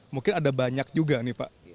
mungkin ada banyak juga nih pak